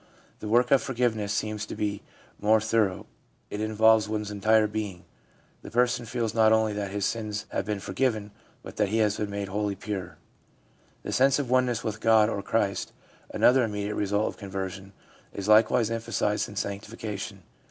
The work of forgiveness seems to be more thorough ; it involves one's entire being ; the person feels not only that his sins have been forgiven, but that he has been made wholly pure. The sense of oneness with God or Christ, another immediate result of conversion, is likewise emphasised in sanctification.